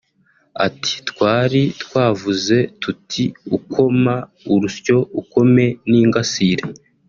Ati “Twari twavuze tuti ’ukoma urusyo ukome n’ingasire